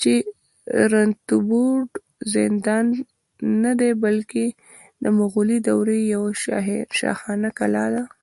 چې رنتنبور زندان نه دی، بلکې د مغولي دورې یوه شاهانه کلا ده